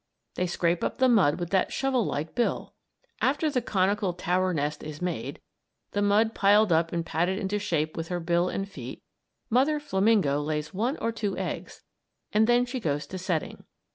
They scrape up the mud with that shovel like bill. After the conical tower nest is made, the mud piled up and patted into shape with her bill and feet, Mother Flamingo lays one or two eggs and then she goes to setting.